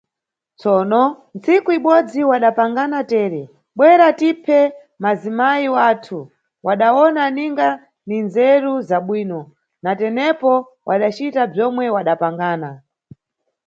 Tsono, tsiku ibodzi wadapangana tere: bwera tiphe wazimayi wathu, wadawona ninga ndindzeru zabwino, natenepo wadacita bzomwe wadapangana.